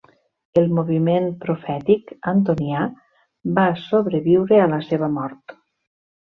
El moviment profètic antonià va sobreviure a la seva mort.